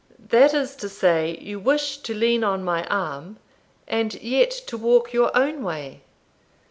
"That is to say, you wish to lean on my arm, and yet to walk your own way?